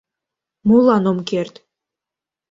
Молан ом керт?